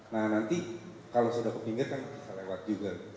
nah nanti kalau sudah ke pinggir kan bisa lewat juga